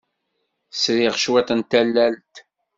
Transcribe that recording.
Sriɣ cwiṭ n tallalt.